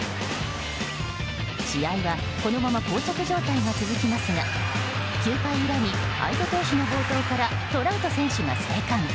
試合はこのまま膠着状態が続きますが９回裏に相手投手の暴投からトラウト選手が生還。